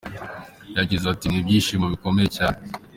Yagize ati “Ni ibyishimo bikomeye cyane.